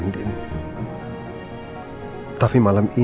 mereka sama pilih apa